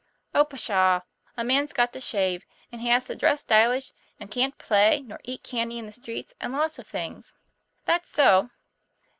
"Oh, pshaw! a man's got to shave, and has to dress stylish, and can't play, nor eat candy in the streets, and lots of things." "That's so."